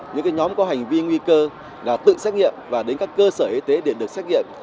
những nhóm có hành vi nguy cơ là tự xét nghiệm và đến các cơ sở y tế để được xét nghiệm